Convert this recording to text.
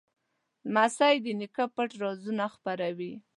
لمسی د نیکه پټ رازونه نه خپروي.